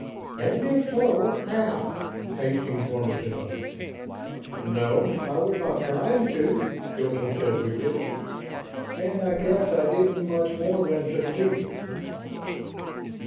"And if so, how?" Hastings wanted to know. "No, I was trying not to," Hilton said, weakly, "and I guess I didn't much more than succeed."